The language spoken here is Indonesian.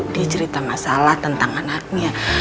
dia cerita masalah tentang anaknya